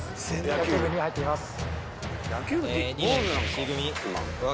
野球部に入っています。